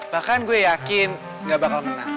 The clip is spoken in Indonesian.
bahkan gue yakin gak bakal menang